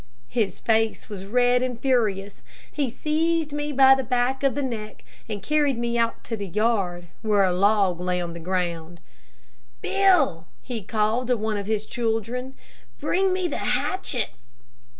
His face was red and furious. He seized me by the back of the neck and carried me out to the yard where a log lay on the ground. "Bill," he called to one of his children, "bring me the hatchet."